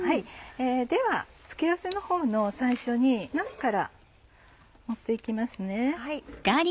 では付け合わせのほうの最初になすから盛って行きますね。